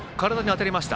体に当たりました。